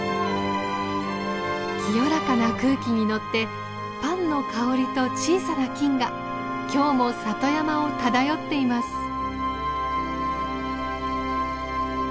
清らかな空気に乗ってパンの香りと小さな菌が今日も里山を漂っています。